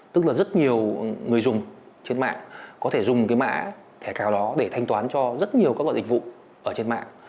tức là rất nhiều người dùng trên mạng có thể dùng cái mã thẻ cào đó để thanh toán cho rất nhiều các loại dịch vụ ở trên mạng